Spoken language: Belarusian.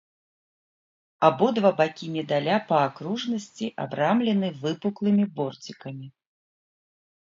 Абодва бакі медаля па акружнасці абрамлены выпуклым борцікам.